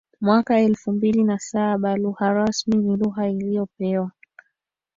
mwaka elfu mbili na saba Lugha rasmi ni lugha iliyopewa